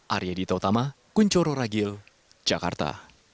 arya dita utama kunchoro ragil jakarta